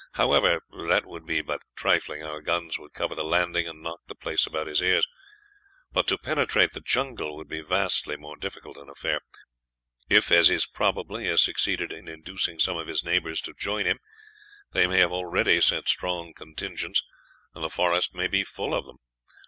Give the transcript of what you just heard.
However, that would be but trifling; our guns would cover the landing, and knock the place about his ears; but to penetrate the jungle would be vastly more difficult an affair. If, as is probable, he has succeeded in inducing some of his neighbors to join him, they may have already sent strong contingents, and the forest may be full of them.